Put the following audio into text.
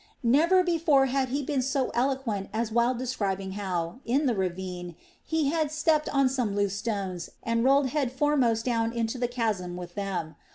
Never before had he been so eloquent as while describing how, in the ravine, he had stepped on some loose stones and rolled head foremost down into the chasm with them.